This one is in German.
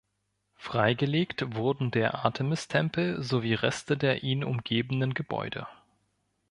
Freigelegt wurden der Artemistempel sowie Reste der ihn umgebenden Gebäude.